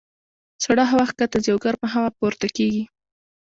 سړه هوا ښکته ځي او ګرمه هوا پورته کېږي.